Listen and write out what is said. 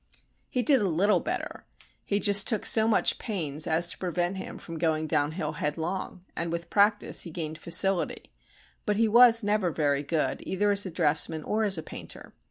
He did a little better; he just took so much pains as to prevent him from going down hill headlong, and, with practice, he gained facility, but he was never very good, either as a draughtsman or as a painter.